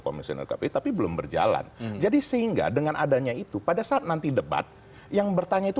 komisioner kpu tapi belum berjalan jadi sehingga dengan adanya itu pada saat nanti debat yang bertanya itu